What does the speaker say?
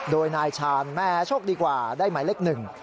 โดยนายชาญแม่โชคดีกว่าได้หมายเลขหนึ่ง